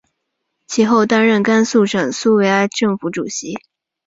其后担任甘肃省苏维埃政府主席。